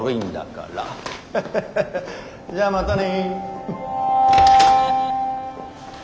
じゃあまたね。